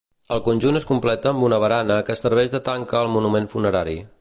El conjunt es completa amb una barana que serveix de tanca al monument funerari.